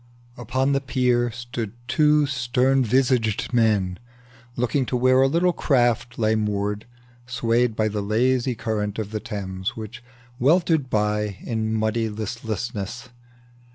Upon the pier stood two stern visaged men, Looking to where a little craft lay moored, Swayed by the lazy current of the Thames, Which weltered by in muddy listlessness.